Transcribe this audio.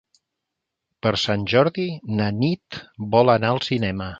Per Sant Jordi na Nit vol anar al cinema.